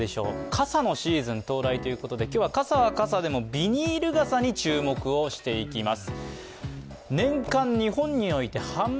傘のシーズン到来ということで今日は傘は傘でも、ビニール傘に注目していきます。